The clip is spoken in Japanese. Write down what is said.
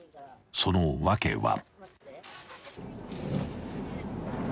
［その訳は］